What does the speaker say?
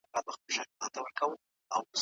که مورنۍ ژبه وي، نو زده کړې کې خنډ نه راځي.